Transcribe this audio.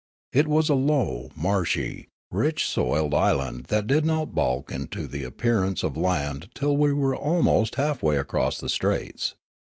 It was a low, marshy, rich soiled island that did not bulk into the appearance of land till we were almost half way across the straits.